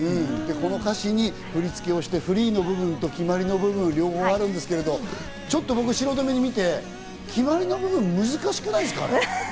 この歌詞に振り付けをして、フリーの部分と決まりの部分、両方あるんですけど、ちょっと僕、素人目で見て、決まりの部分、難しくないですか？